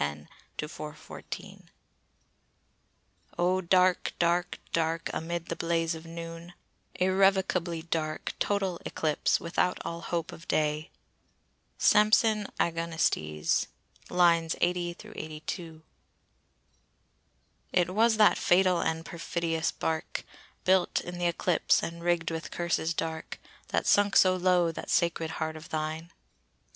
"O dark, dark, dark, amid the blaze of Noon, Irrecoverably dark, total eclipse, Without all hope of day!" —Samson Agonistes, Lines 80 2. "It was that fatal and perfidious bark, Built in th' eclipse, and rigg'd with curses dark, That sunk so low that sacred heart of thine."